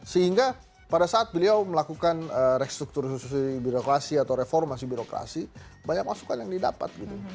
sehingga pada saat beliau melakukan restruktur restruktur birokrasi atau reformasi birokrasi banyak masukan yang didapat